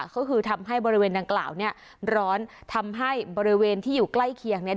ก็คือทำให้บริเวณดังกล่าวเนี่ยร้อนทำให้บริเวณที่อยู่ใกล้เคียงเนี่ย